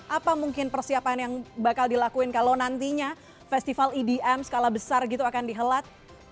apa mungkin persiapan yang bakal dilakuin kalau nantinya festival edm skala besar gitu akan dihelat